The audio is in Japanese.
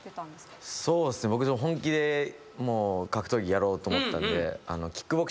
僕本気で格闘技やろうと思ってたんで。